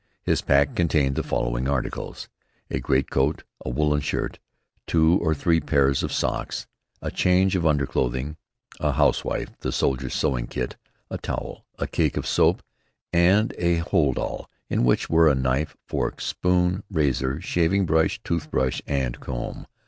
His pack contained the following articles: A greatcoat, a woolen shirt, two or three pairs of socks, a change of underclothing, a "housewife," the soldiers' sewing kit, a towel, a cake of soap, and a "hold all," in which were a knife, fork, spoon, razor, shaving brush, toothbrush, and comb.